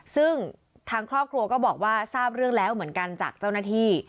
ซึ่งทางครอบครัวก็บอกว่าทราบเรื่องแล้วเหมือนกันจากเจ้าหน้าที่